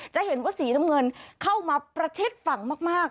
จะเห็นว่าสีน้ำเงินเข้ามาประชิดฝั่งมาก